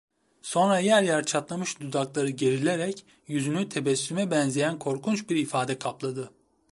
Sonra, yer yer çatlamış dudakları gerilerek, yüzünü tebessüme benzeyen korkunç bir ifade kapladı.